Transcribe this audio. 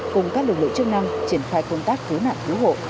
cùng các lực lượng chức năng triển khai công tác cứu nạn cứu hộ